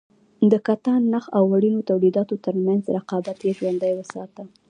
د کتان- نخ او وړینو تولیداتو ترمنځ رقابت یې ژوندی وساته.